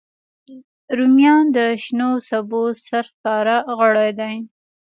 رومیان د شنو سبو سرښکاره غړی دی